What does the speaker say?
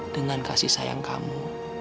dengan kasih sayang kamu